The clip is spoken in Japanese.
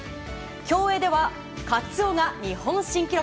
競泳では、カツオが日本新記録。